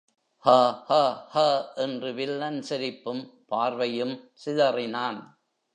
ஹ ஹ ஹ என்று வில்லன் சிரிப்பும் பார்வையும் சிதறினான்.